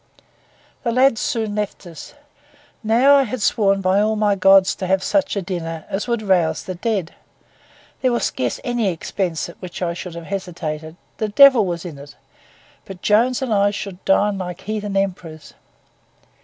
The lads soon left us. Now I had sworn by all my gods to have such a dinner as would rouse the dead; there was scarce any expense at which I should have hesitated; the devil was in it, but Jones and I should dine like heathen emperors.